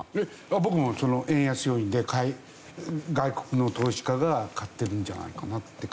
僕も円安要因で外国の投資家が買ってるんじゃないかなって書きましたけど。